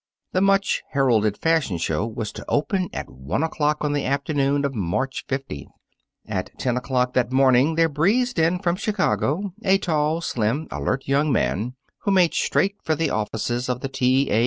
The much heralded fashion show was to open at one o'clock on the afternoon of March fifteenth. At ten o'clock that morning, there breezed in from Chicago a tall, slim, alert young man, who made straight for the offices of the T. A.